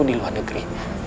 di luar negeri